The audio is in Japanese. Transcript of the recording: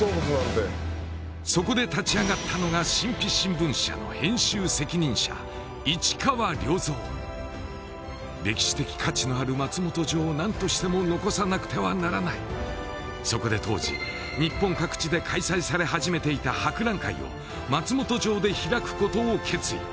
そこで立ち上がったのが歴史的価値のある松本城を何としても残さなくてはならないそこで当時日本各地で開催され始めていた博覧会を松本城で開くことを決意